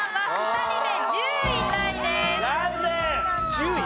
１０位？